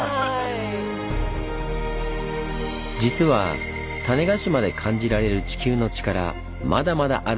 実は種子島で感じられる地球のチカラまだまだあるんです。